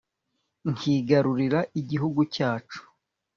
nkigarurira igihugu cyacu